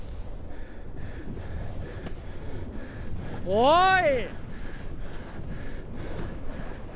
おい！